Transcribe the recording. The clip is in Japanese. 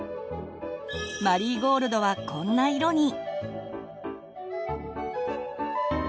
マリーゴールドはこんな色に。